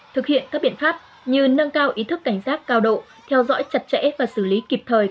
thực hiện các biện pháp như nâng cao ý thức cảnh giác cao độ theo dõi chặt chẽ và xử lý kịp thời